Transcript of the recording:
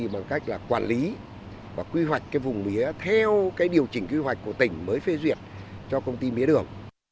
bằng cách là quản lý và quy hoạch cái vùng mía theo cái điều chỉnh quy hoạch của tỉnh mới phê duyệt cho công ty mía đường